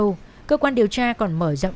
chuyên sâu cơ quan điều tra còn mở rộng